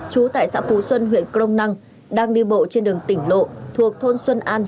trú tại xã phú xuân huyện crong năng đang đi bộ trên đường tỉnh lộ thuộc thôn xuân an